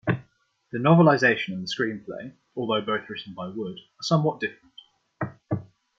The novelization and the screenplay, although both written by Wood, are somewhat different.